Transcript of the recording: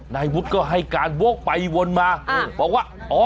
นายวุฒิก็ให้การวกไปวนมาบอกว่า